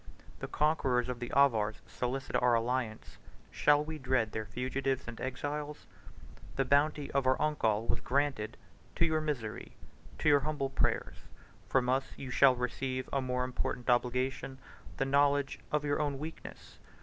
The conquerors of the Avars solicit our alliance; shall we dread their fugitives and exiles? 5 The bounty of our uncle was granted to your misery, to your humble prayers. From us you shall receive a more important obligation, the knowledge of your own weakness.